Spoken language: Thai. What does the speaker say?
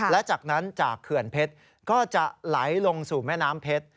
และจากนั้นจากเขื่อนเพชรก็จะไหลลงสู่แม่น้ำเพชร